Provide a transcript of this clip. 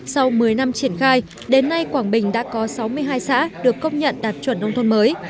sau một mươi năm triển khai đến nay quảng bình đã có sáu mươi hai xã được công nhận đạt chuẩn nông thôn mới